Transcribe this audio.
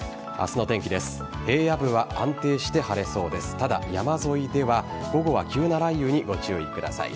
ただ、山沿いでは午後は急な雷雨にご注意ください。